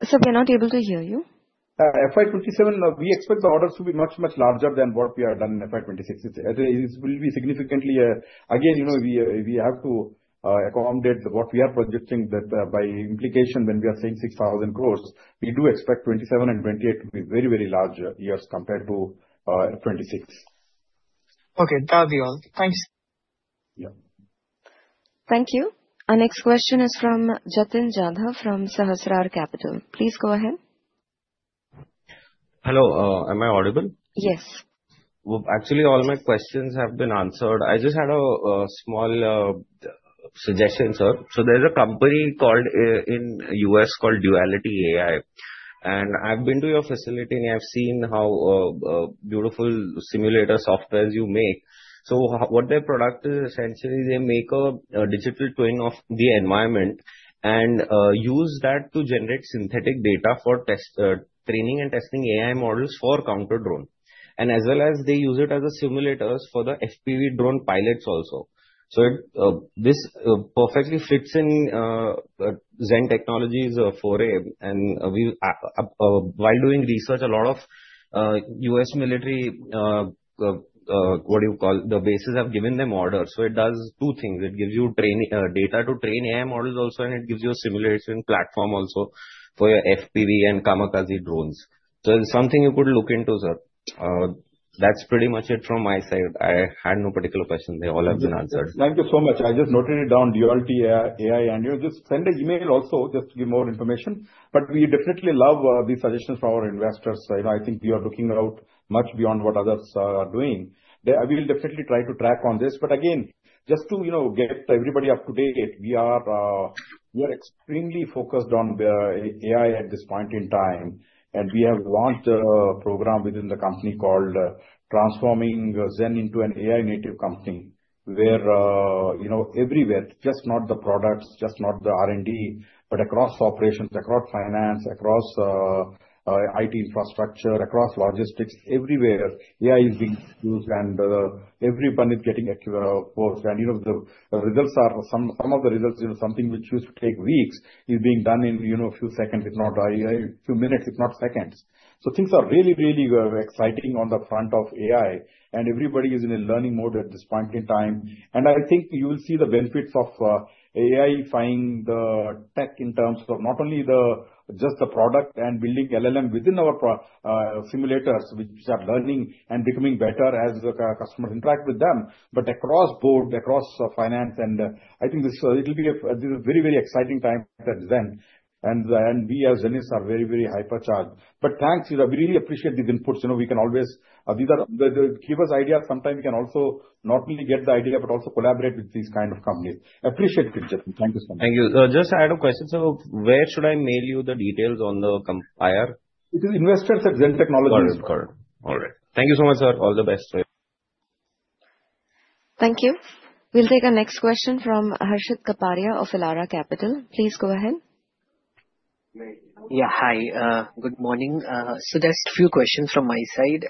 Sir, we are not able to hear you. FY 2027, we expect the orders to be much, much larger than what we have done in FY 2026. It will be significantly. Again, you know, we have to accommodate what we are projecting that by implication when we are saying 6,000 crore, we do expect 2027 and 2028 to be very, very large years compared to 2026. Okay. That'll be all. Thanks. Yeah. Thank you. Our next question is from Jatin Jadhav from Sahasrar Capital. Please go ahead. Hello. Am I audible? Yes. Actually, all my questions have been answered. I just had a small suggestion, sir. So there's a company called in the U.S. called Duality AI, and I've been to your facility and I've seen how beautiful simulator software you make, so what their product is essentially, they make a digital twin of the environment and use that to generate synthetic data for training and testing AI models for counter drone, and as well as they use it as a simulators for the FPV drone pilots also, so this perfectly fits in Zen Technologies 4A, and while doing research, a lot of U.S. military, what do you call, the bases have given them orders, so it does two things. It gives you data to train AI models also, and it gives you a simulation platform also for your FPV and kamikaze drones, so it's something you could look into, sir. That's pretty much it from my side. I had no particular question. They all have been answered. Thank you so much. I just noted it down, Duality AI. And you just send an email also just to give more information. But we definitely love these suggestions from our investors. I think we are looking out much beyond what others are doing. We'll definitely try to track on this. But again, just to, you know, get everybody up to date, we are extremely focused on AI at this point in time. And we have launched a program within the company called Transforming Zen into an AI native company where, you know, everywhere, just not the products, just not the R&D, but across operations, across finance, across IT infrastructure, across logistics, everywhere, AI is being used and everyone is getting exposed. You know, the results are, some of the results, you know, something which used to take weeks is being done in, you know, a few seconds, if not a few minutes, if not seconds. Things are really, really exciting on the front of AI. Everybody is in a learning mode at this point in time. I think you will see the benefits of AI finding the tech in terms of not only just the product and building LLM within our simulators, which are learning and becoming better as customers interact with them, but across board, across finance. I think this will be a very, very exciting time at Zen. We as Zenists are very, very hypercharged. Thanks. We really appreciate these inputs. You know, we can always, these are give us ideas. Sometimes we can also not only get the idea, but also collaborate with these kinds of companies. Appreciate it, Jatin. Thank you so much. Thank you. So just to add a question. So where should I mail you the details on the IR? It is investors at Zen Technologies. All right. Thank you so much, sir. All the best. Thank you. We'll take our next question from Harshit Kapadia of Elara Capital. Please go ahead. Yeah. Hi. Good morning. So just a few questions from my side.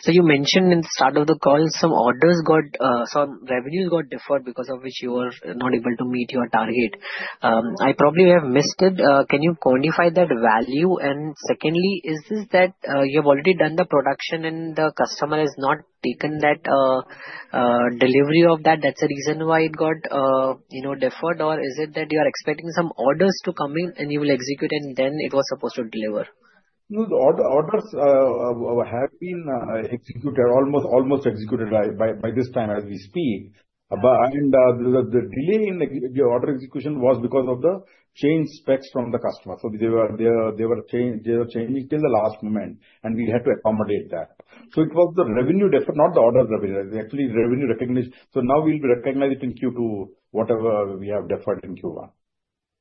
So you mentioned in the start of the call, some orders got, some revenues got deferred because of which you were not able to meet your target. I probably have missed it. Can you quantify that value? And secondly, is this that you have already done the production and the customer has not taken that delivery of that? That's a reason why it got, you know, deferred? Or is it that you are expecting some orders to come in and you will execute and then it was supposed to deliver? No, the orders have been executed, almost executed by this time as we speak. The delay in the order execution was because of the changed specs from the customer. So they were changing till the last moment. And we had to accommodate that. So it was the revenue deferred, not the order revenue. Actually, revenue recognition. So now we'll be recognized in Q2, whatever we have deferred in Q1.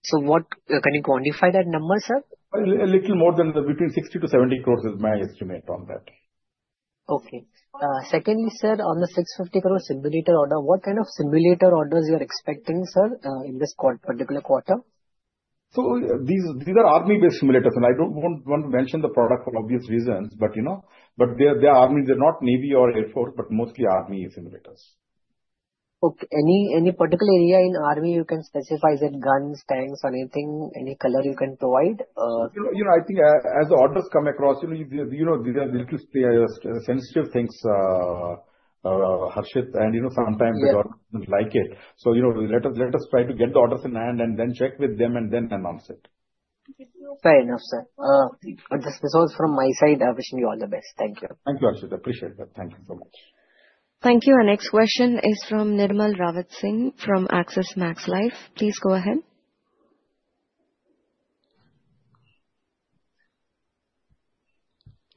So, what can you quantify that number, sir? A little more than between 60-70 crore is my estimate on that. Okay. Secondly, sir, on the 650 crore simulator order, what kind of simulator orders you are expecting, sir, in this particular quarter? These are army-based simulators. I don't want to mention the product for obvious reasons. You know, they are army. They're not navy or air force, but mostly army simulators. Okay. Any particular area in army you can specify? Is it guns, tanks, anything, any color you can provide? You know, I think as the orders come across, you know, these are the little sensitive things, Harshit, and you know, sometimes the orders don't like it, so you know, let us try to get the orders in hand and then check with them and then announce it. Fair enough, sir. This was from my side. I wish you all the best. Thank you. Thank you, Harshit. I appreciate that. Thank you so much. Thank you. Our next question is from Nirmal Rawat Singh from Axis Max Life. Please go ahead.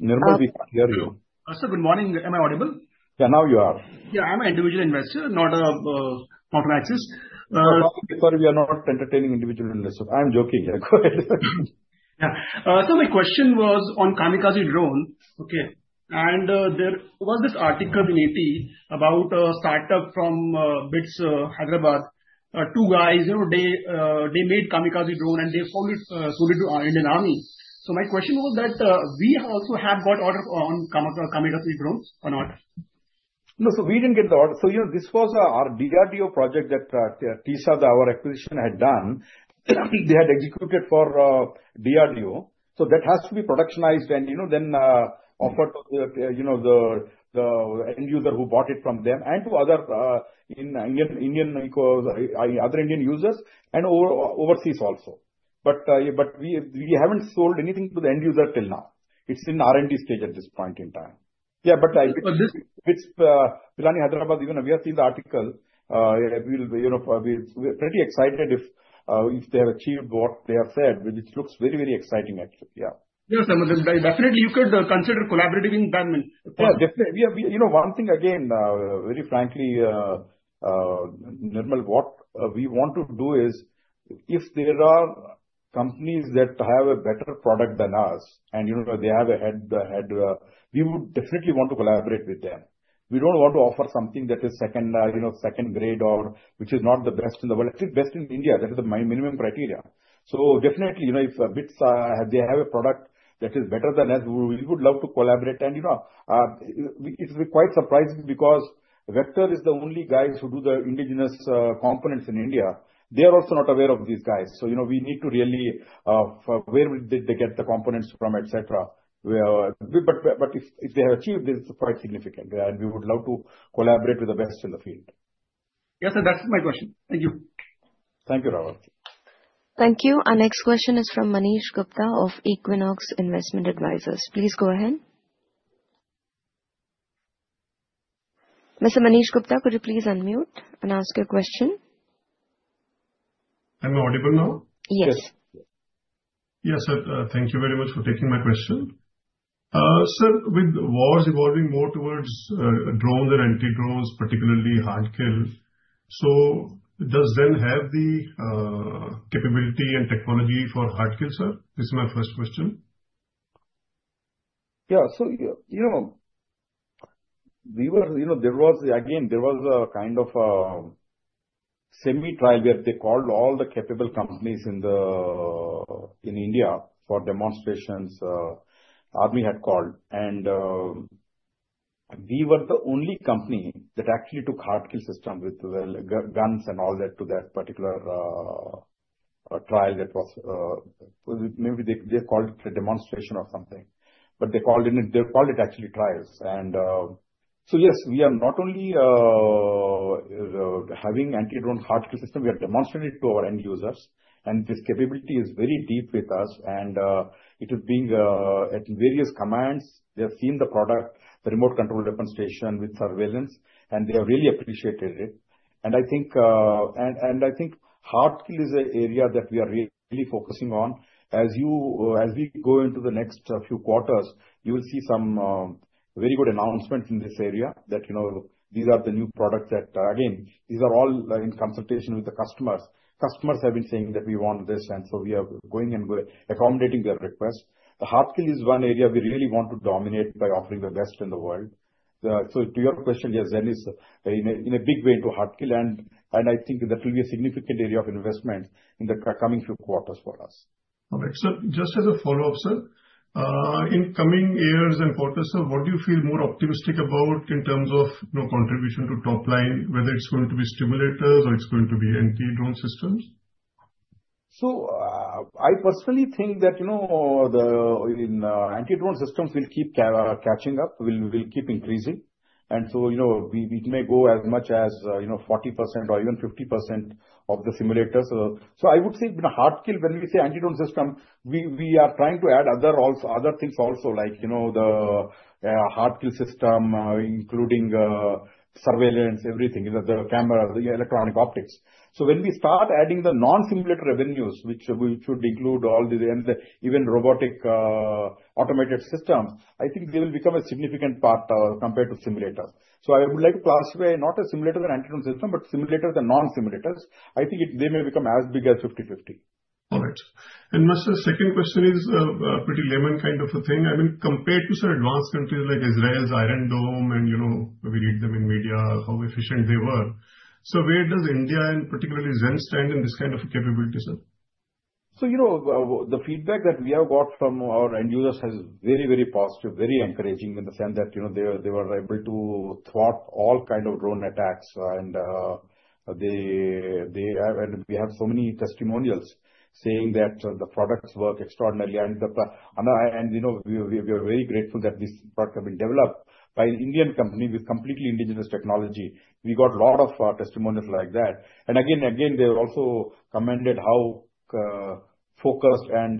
Nirmal, we can hear you. Sir, good morning. Am I audible? Yeah, now you are. Yeah. I'm an individual investor, not from Axis. Before, we are not entertaining individual investors. I'm joking. Go ahead. Yeah. So my question was on kamikaze drone. Okay. And there was this article in ET about a startup from BITS Hyderabad. Two guys, you know, they made kamikaze drone and they sold it to the Indian Army. So my question was that we also have got orders on kamikaze drones or not? No, so we didn't get the order. So, you know, this was our DRDO project that TISA, our acquisition, had done. They had executed for DRDO. So that has to be productionized and, you know, then offered to, you know, the end user who bought it from them and to other Indian users and overseas also. But we haven't sold anything to the end user till now. It's in R&D stage at this point in time. Yeah, but with Pilani Hyderabad, you know, we have seen the article. Well, you know, we're pretty excited if they have achieved what they have said, which looks very, very exciting actually. Yeah. Yeah, sir. Definitely, you could consider collaborating with them. Yeah, definitely. You know, one thing again, very frankly, Nirmal, what we want to do is if there are companies that have a better product than us and, you know, they have a head, we would definitely want to collaborate with them. We don't want to offer something that is second, you know, second grade or which is not the best in the world. It's best in India. That is the minimum criteria. So definitely, you know, if BITS, they have a product that is better than us, we would love to collaborate. And, you know, it's quite surprising because Vector is the only guy who does the indigenous components in India. They are also not aware of these guys. So, you know, we need to really where did they get the components from, etc. But if they have achieved, it's quite significant. We would love to collaborate with the best in the field. Yes, sir. That's my question. Thank you. Thank you, Rawat. Thank you. Our next question is from Manish Gupta of Equinox Investment Advisors. Please go ahead. Mr. Manish Gupta, could you please unmute and ask your question? Am I audible now? Yes. Yes. Yes, sir. Thank you very much for taking my question. Sir, with wars evolving more towards drones and anti-drones, particularly hard kill, so does Zen have the capability and technology for hard kill, sir? This is my first question. Yeah. So, you know, we were, you know, there was, again, there was a kind of semi-trial where they called all the capable companies in India for demonstrations army had called. And we were the only company that actually took hard kill system with guns and all that to that particular trial that was maybe they called it a demonstration or something. But they called it actually trials. And so, yes, we are not only having anti-drone hard kill system. We are demonstrating it to our end users. And this capability is very deep with us. And it is being at various commands. They have seen the product, the remote control demonstration with surveillance. And they have really appreciated it. And I think, and I think hard kill is an area that we are really focusing on. As we go into the next few quarters, you will see some very good announcements in this area that, you know, these are the new products that, again, these are all in consultation with the customers. Customers have been saying that we want this, and so we are going and accommodating their request. The hard kill is one area we really want to dominate by offering the best in the world, so to your question, yes, Zen is in a big way into hard kill, and I think that will be a significant area of investment in the coming few quarters for us. All right. So just as a follow-up, sir, in coming years and quarters, sir, what do you feel more optimistic about in terms of contribution to top line, whether it's going to be simulators or it's going to be anti-drone systems? So I personally think that, you know, the anti-drone systems will keep catching up, will keep increasing. And so, you know, we may go as much as, you know, 40% or even 50% of the simulators. So I would say hard kill, when we say anti-drone system, we are trying to add other things also, like, you know, the hard kill system, including surveillance, everything, the cameras, the electronic optics. So when we start adding the non-simulator revenues, which should include all the, and even robotic automated systems, I think they will become a significant part compared to simulators. So I would like to classify not a simulator, the anti-drone system, but simulators, the non-simulators. I think they may become as big as 50/50. All right and, Mr., second question is a pretty layman kind of a thing. I mean, compared to some advanced countries like Israel's Iron Dome and you know, we read them in media, how efficient they were, so where does India and particularly Zen stand in this kind of capability, sir? You know, the feedback that we have got from our end users has been very, very positive, very encouraging in the sense that, you know, they were able to thwart all kinds of drone attacks. And we have so many testimonials saying that the products work extraordinarily. And, you know, we are very grateful that this product has been developed by an Indian company with completely indigenous technology. We got a lot of testimonials like that. And again, they also commented how focused and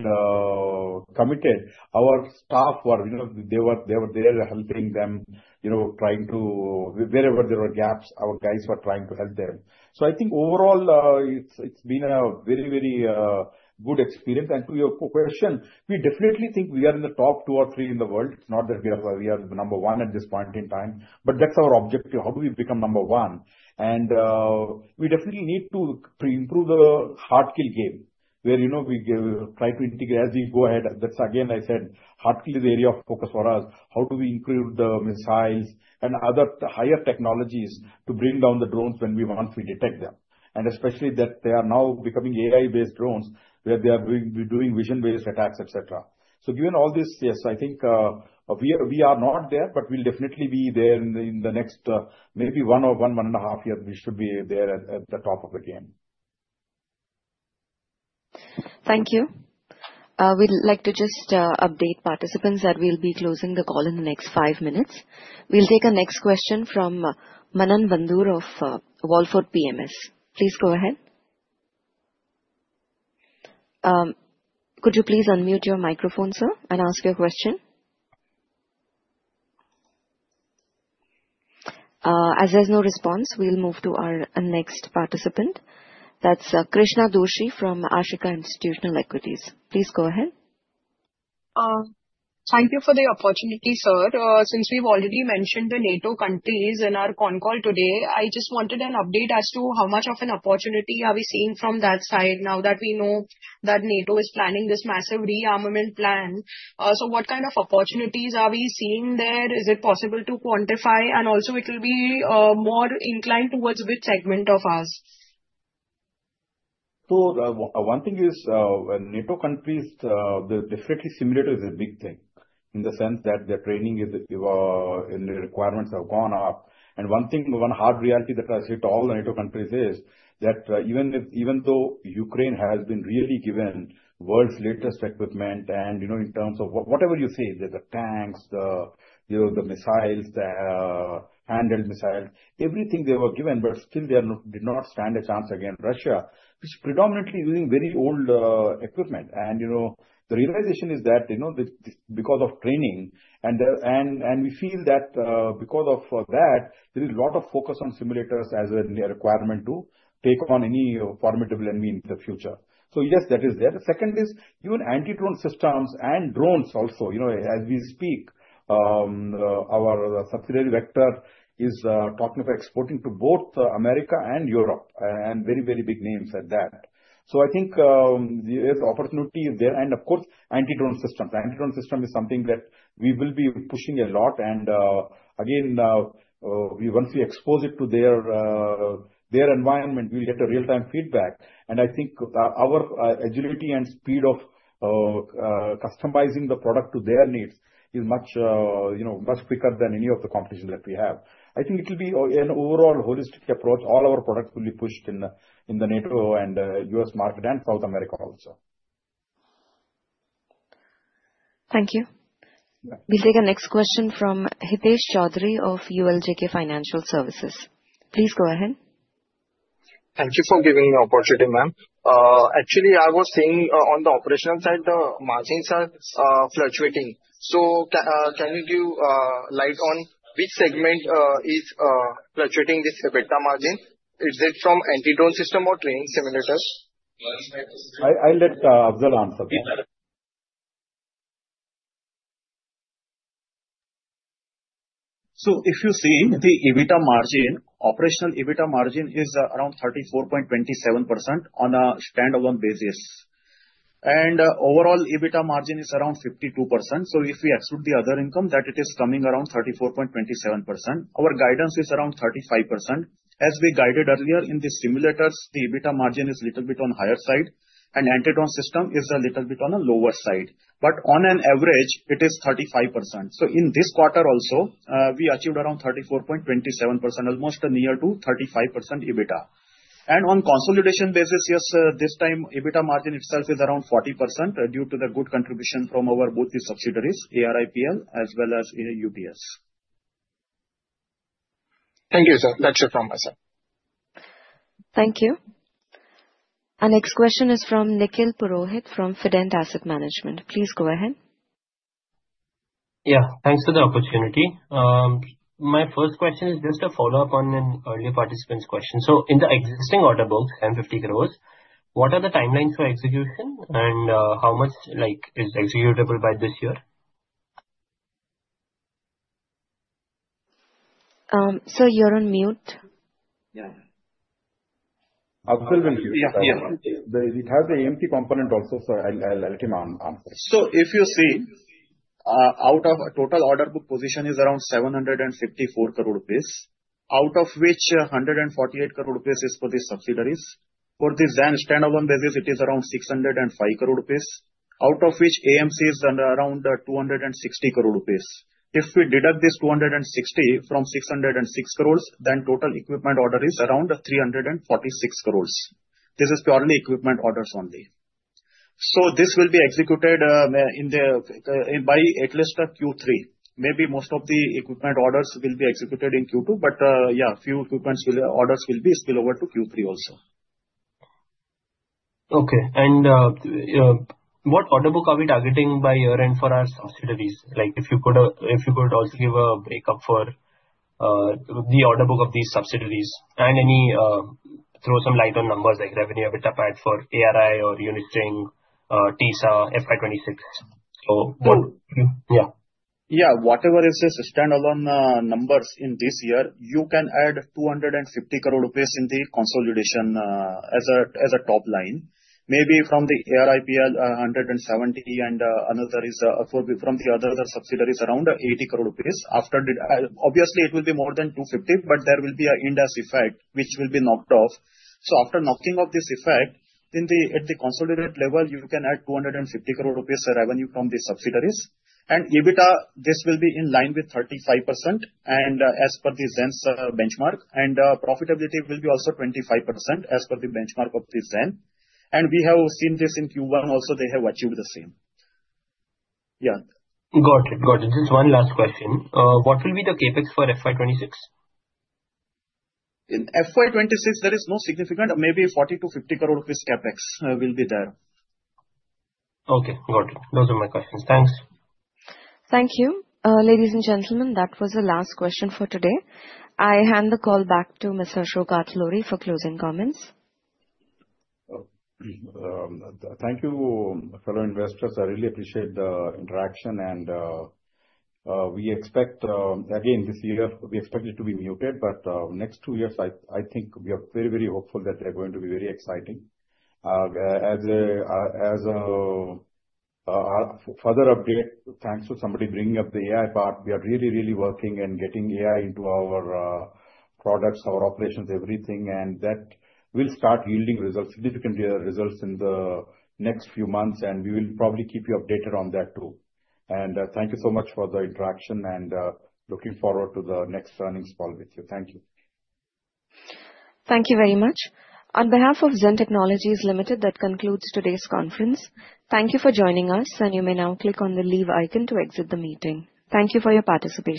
committed our staff were. They were there helping them, you know, trying to, wherever there were gaps, our guys were trying to help them. So I think overall, it's been a very, very good experience. And to your question, we definitely think we are in the top two or three in the world. It's not that we are number one at this point in time. But that's our objective. How do we become number one? And we definitely need to improve the hard kill game where, you know, we try to integrate as we go ahead. That's again, I said, hard kill is the area of focus for us. How do we improve the missiles and other higher technologies to bring down the drones when we detect them? And especially that they are now becoming AI-based drones where they are doing vision-based attacks, etc. So given all this, yes, I think we are not there, but we'll definitely be there in the next maybe one or one and a half years. We should be there at the top of the game. Thank you. We'd like to just update participants that we'll be closing the call in the next five minutes. We'll take our next question from Manan Bandur of Wallfort PMS. Please go ahead. Could you please unmute your microphone, sir, and ask your question? As there's no response, we'll move to our next participant. That's Krishna Doshi from Ashika Institutional Equities. Please go ahead. Thank you for the opportunity, sir. Since we've already mentioned the NATO countries in our con call today, I just wanted an update as to how much of an opportunity are we seeing from that side now that we know that NATO is planning this massive rearmament plan. So what kind of opportunities are we seeing there? Is it possible to quantify? And also, it will be more inclined towards which segment of us? So one thing is NATO countries. The effective simulator is a big thing in the sense that the training and the requirements have gone up. And one thing, one hard reality that has hit all the NATO countries is that even though Ukraine has been really given the world's latest equipment and, you know, in terms of whatever you say, there's the tanks, the missiles, the handheld missiles, everything they were given, but still they did not stand a chance against Russia, which is predominantly using very old equipment. And, you know, the realization is that, you know, because of training, and we feel that because of that, there is a lot of focus on simulators as a requirement to take on any formidable enemy in the future. So yes, that is there. The second is even anti-drone systems and drones also, you know, as we speak, our subsidiary Vector is talking about exporting to both America and Europe and very, very big names at that. So I think there's opportunity there. And of course, anti-drone systems. Anti-drone system is something that we will be pushing a lot. And again, once we expose it to their environment, we'll get real-time feedback. And I think our agility and speed of customizing the product to their needs is much, you know, much quicker than any of the competition that we have. I think it will be an overall holistic approach. All our products will be pushed in the NATO and U.S. market and South America also. Thank you. We'll take our next question from Hitesh Chaudhari of ULJK Financial Services. Please go ahead. Thank you for giving me an opportunity, ma'am. Actually, I was seeing on the operational side, the margins are fluctuating. So can you give light on which segment is fluctuating this EBITDA margin? Is it from anti-drone system or training simulators? I'll let Afzal answer that. So if you see the EBITDA margin, operational EBITDA margin is around 34.27% on a standalone basis. And overall EBITDA margin is around 52%. So if we exclude the other income, that it is coming around 34.27%. Our guidance is around 35%. As we guided earlier in the simulators, the EBITDA margin is a little bit on the higher side. And anti-drone system is a little bit on the lower side. But on an average, it is 35%. So in this quarter also, we achieved around 34.27%, almost near to 35% EBITDA. And on consolidated basis, yes, this time EBITDA margin itself is around 40% due to the good contribution from both our subsidiaries, ARIPL as well as UTS. Thank you, sir. That's it from my side. Thank you. Our next question is from Nikhil Purohit from Fident Asset Management. Please go ahead. Yeah, thanks for the opportunity. My first question is just a follow-up on an early participant's question. So in the existing order book, 1050 crore, what are the timelines for execution and how much is executable by this year? Sir you're on mute. Afzal, when you... Yes, yes. It has an empty component also, so I'll let him answer. So if you see, out of a total order book position is around 754 crore rupees, out of which 148 crore rupees is for the subsidiaries. For the Zen standalone basis, it is around 605 crore rupees, out of which AMC is around 260 crore rupees. If we deduct this 260 from 606 crore, then total equipment order is around 346 crore. This is purely equipment orders only. So this will be executed by at least Q3. Maybe most of the equipment orders will be executed in Q2, but yeah, few equipment orders will be spilled over to Q3 also. Okay. And what order book are we targeting by year-end for our subsidiaries? Like if you could also give a breakup for the order book of these subsidiaries and throw some light on numbers like revenue EBITDA PAT for ARI or UTS, TISA, FY 2026. So what would you... Yeah. Yeah, whatever is the standalone numbers in this year, you can add 250 crore rupees in the consolidation as a top line. Maybe from the ARIPL, 170, and another is from the other subsidiaries around 80 crore rupees. Obviously, it will be more than 250, but there will be an Ind AS effect, which will be knocked off. So after knocking off this effect, at the consolidated level, you can add 250 crore rupees revenue from the subsidiaries. And EBITDA, this will be in line with 35% as per the Zen's benchmark. And profitability will be also 25% as per the benchmark of the Zen. And we have seen this in Q1 also. They have achieved the same. Yeah. Got it. Got it. Just one last question. What will be the CapEx for FY 2026? In FY 2026, there is no significant, maybe 40-50 crore rupees CapEx will be there. Okay. Got it. Those are my questions. Thanks. Thank you. Ladies and gentlemen, that was the last question for today. I hand the call back to Mr. Ashok Atluri for closing comments. Thank you, fellow investors. I really appreciate the interaction. And we expect, again, this year, we expect it to be muted, but next two years, I think we are very, very hopeful that they're going to be very exciting. As a further update, thanks to somebody bringing up the AI part, we are really, really working and getting AI into our products, our operations, everything. And that will start yielding significant results in the next few months. And we will probably keep you updated on that too. And thank you so much for the interaction and looking forward to the next earnings call with you. Thank you. Thank you very much. On behalf of Zen Technologies Limited, that concludes today's conference. Thank you for joining us, and you may now click on the leave icon to exit the meeting. Thank you for your participation.